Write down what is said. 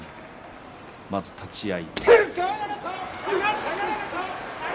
まず立ち合い。